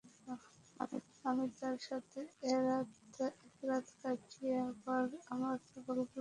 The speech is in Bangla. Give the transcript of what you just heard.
আমি তার সাথে এক রাত কাটিয়ে আবার আমার ছাগলগুলোর নিকট ফিরে এলাম।